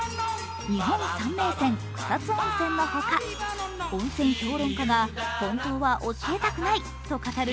日本三名泉・草津温泉のほか、温泉評論家が本当は教えたくないと語る